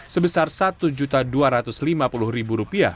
sebesar satu dua ratus lima puluh rupiah